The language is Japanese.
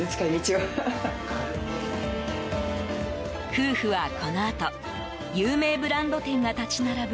夫婦は、このあと有名ブランド店が立ち並ぶ